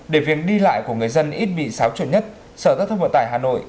để việc đi lại của người dân ít bị xáo chuột nhất sở giao thông vận tải hà nội